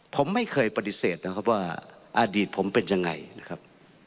ผมไม่เคยปฏิเสธนะครับว่าอดีตผมเป็นยังไงนะครับ